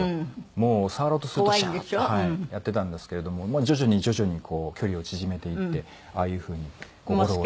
もう触ろうとするとシャー！ってやってたんですけれども徐々に徐々にこう距離を縮めていってああいう風に心を。